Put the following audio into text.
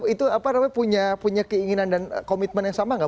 itu apa namanya punya keinginan dan komitmen yang sama nggak